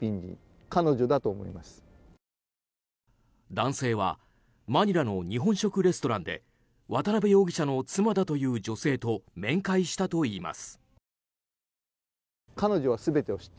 男性はマニラの日本食レストランで渡邉容疑者の妻だという女性と面会したといいます。